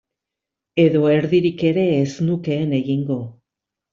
Edo erdirik ere ez nukeen egingo.